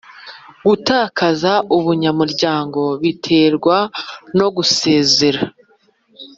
Gutakaza ubunyamuryango biterwa no gusezera